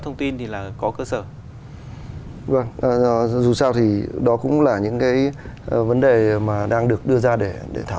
thông tin thì là có cơ sở vâng dù sao thì đó cũng là những cái vấn đề mà đang được đưa ra để thảo